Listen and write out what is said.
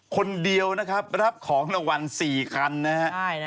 คนเดียวนะครับรับของรางวัล๔คันนะฮะ